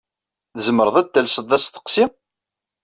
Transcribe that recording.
Tzemreḍ ad d-talseḍ asteqsi?